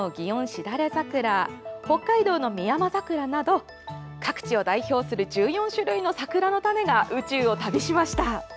しだれ桜北海道のミヤマザクラなど各地を代表する１４種類の桜の種が宇宙を旅しました。